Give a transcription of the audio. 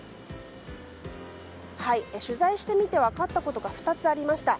取材してみて分かったことが２つありました。